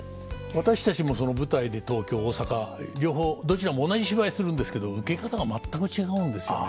私たちも舞台で東京大阪両方どちらも同じ芝居するんですけど受け方が全く違うんですよね。